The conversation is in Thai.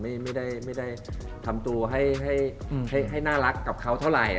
ไม่ได้ทำตัวให้น่ารักกับเขาเท่าไหร่